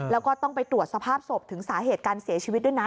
แล้วก็ต้องไปตรวจสภาพศพถึงสาเหตุการเสียชีวิตด้วยนะ